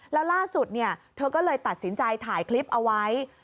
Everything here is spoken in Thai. แล้วล่าสุดเธอก็เลยตัดสินใจถ่ายคลิปเอาไว้